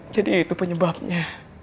jadi itu penyebabnya